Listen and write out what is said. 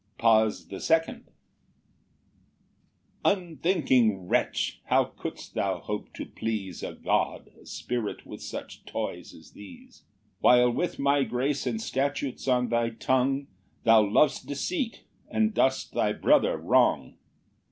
PAUSE THE SECOND. 11 "Unthinking wretch! how couldst thou hope to please "A God, a spirit with such toys as these! "While with my grace and statutes on thy tongue, "Thou lov'st deceit, and dost thy brother wrong!"